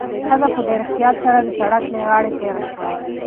ښځه په ډېر احتیاط سره د سړک له غاړې تېره شوه.